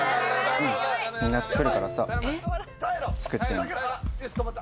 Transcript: うんみんな作るから作ってんのえっ？